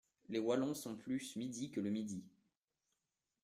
Les Wallons sont plus midi que le midi.